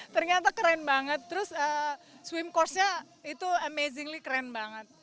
ternyata keren banget terus swim course nya itu amazingly keren banget